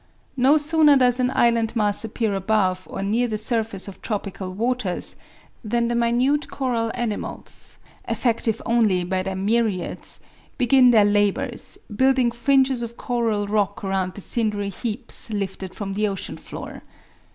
No sooner does an island mass appear above or near the surface of tropical waters than the minute coral animals effective only by their myriads begin their labors, building fringes of coral rock around the cindery heaps lifted from the ocean floor.